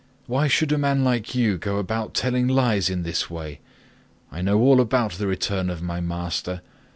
Why should a man like you go about telling lies in this way? I know all about the return of my master.